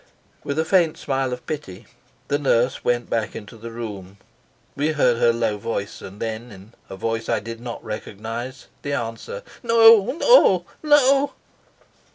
With a faint smile of pity, the nurse went back into the room. We heard her low voice, and then, in a voice I did not recognise the answer: "No. No. No."